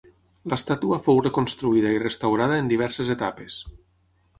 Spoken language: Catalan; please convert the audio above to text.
L'estàtua fou reconstruïda i restaurada en diverses etapes.